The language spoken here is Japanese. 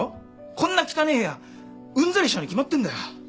こんな汚え部屋うんざりしちゃうに決まってんだよ。